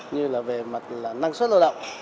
như là về mặt năng suất lao động